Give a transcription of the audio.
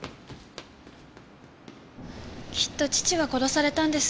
きっと父は殺されたんです。